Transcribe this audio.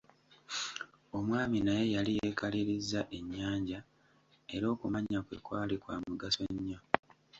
Omwami naye yali yeekalirizza ennyanja, era okumanya kwe kwali kwa mugaso nnyo.